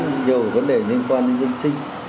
nhiều vấn đề liên quan đến dân sinh